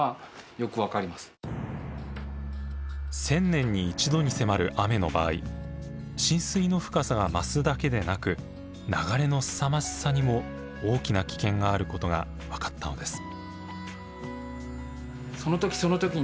１０００年に１度に迫る雨の場合浸水の深さが増すだけでなく流れのすさまじさにも大きな危険があることが分かったのです。